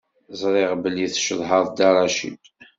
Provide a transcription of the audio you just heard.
Ẓriɣ belli tcedhaḍ Dda Racid.